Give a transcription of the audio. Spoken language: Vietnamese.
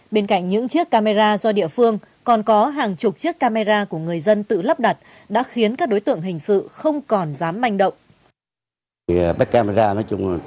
bên cạnh những chiếc camera do địa phương còn có hàng chục chiếc camera của người dân tự lắp đặt đã khiến các đối tượng hình sự không còn dám manh động